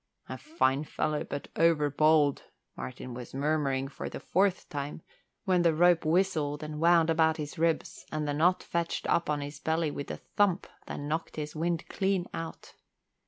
"A fine fellow, but overbold," Martin was murmuring for the fourth time, when the rope whistled and wound about his ribs and the knot fetched up on his belly with a thump that knocked his wind clean out.